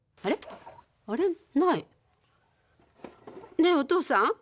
ねえおとうさん。